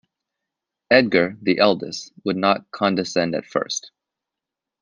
Edgar, the eldest, would not condescend at first.